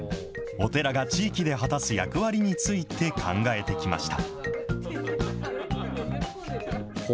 お寺が地域で果たす役割について考えてきました。